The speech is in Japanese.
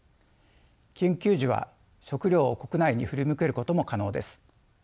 緊急時は食料を国内に振り向けることも可能です。